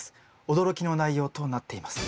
驚きの内容となっています。